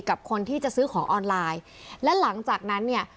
กับคนที่จะซื้อของออนไลน์และหลังจากนั้นเนี่ย